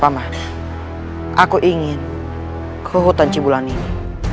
pak man aku ingin ke hutan cibulan ini